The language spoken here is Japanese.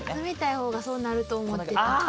冷たい方がそうなると思ってた。